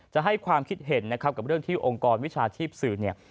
จะให้ความคิดเห็นนะครับกับเรื่องที่องค์กรวิชาชีพสื่อเนี่ย